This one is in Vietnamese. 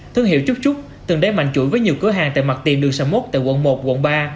thương hiệu chúc chúc từng đáy mạnh chuỗi với nhiều cửa hàng tại mặt tiền đường xà mốt tại quận một quận ba